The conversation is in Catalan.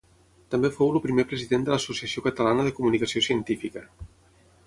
També fou el primer president de l'Associació Catalana de Comunicació Científica.